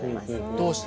どうして？